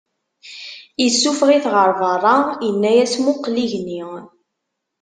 Issufɣ-it ɣer beṛṛa, inna-yas: Muqel igenni.